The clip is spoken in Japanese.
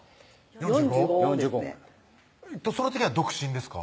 ４５ですねその時は独身ですか？